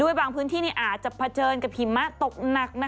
บางพื้นที่อาจจะเผชิญกับหิมะตกหนัก